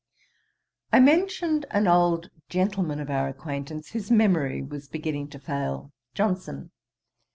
I mentioned an old gentleman of our acquaintance whose memory was beginning to fail. JOHNSON.